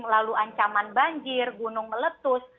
lalu ancaman banjir gunung meletus